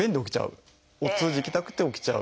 お通じ行きたくて起きちゃう。